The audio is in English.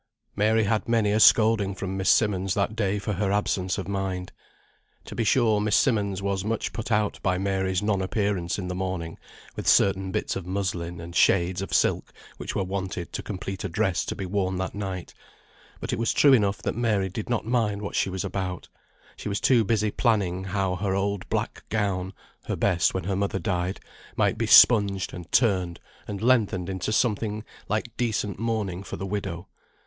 Mary had many a scolding from Miss Simmonds that day for her absence of mind. To be sure Miss Simmonds was much put out by Mary's non appearance in the morning with certain bits of muslin, and shades of silk which were wanted to complete a dress to be worn that night; but it was true enough that Mary did not mind what she was about; she was too busy planning how her old black gown (her best when her mother died) might be spunged, and turned, and lengthened into something like decent mourning for the widow.